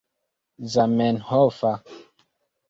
zamenhofa